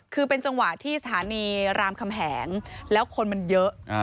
คือเป็นจังหวะที่สถานีรามคำแหงแล้วคนมันเยอะ